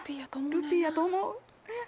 ルピーやと思うえっ。